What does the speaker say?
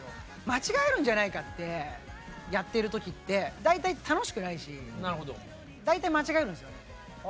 間違えるんじゃないかってやってる時って大体楽しくないし大体間違えるんですよね。